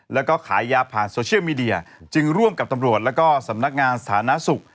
แล้วก็ขายยาผ่านโซเชียลมีเดียจึงร่วมกับตำรวจแล้วก็สำนักงานสาธารณสุข